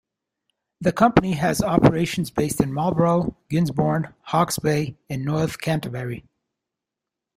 The company has operations based in Marlborough, Gisborne, Hawke's Bay and North Canterbury.